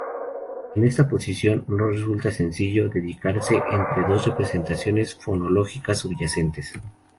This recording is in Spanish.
En esa posición no resulta sencillo decidirse entre dos representaciones fonológicas subyacentes.